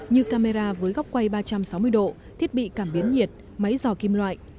như camera với góc quay ba trăm sáu mươi độ thiết bị cảm biến nhiệt máy dò kim loại